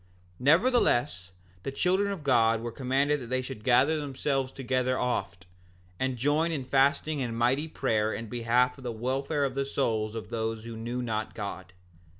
6:6 Nevertheless the children of God were commanded that they should gather themselves together oft, and join in fasting and mighty prayer in behalf of the welfare of the souls of those who knew not God.